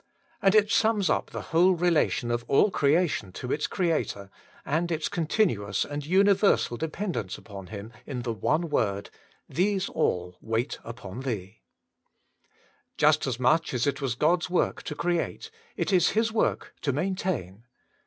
And it sums up the whole relation of all creation to its Creator, and its continuous and universal dependence upon Him in the one word : ^IJiese all wait upon Thee /' Just as much as it was God's work to create, it is His work to maintain.